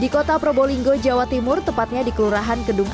di kota probolinggo jawa timur tepatnya di kelurahan kedung